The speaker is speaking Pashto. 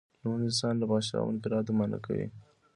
لمونځ انسان له فحشا او منکراتو منعه کوی.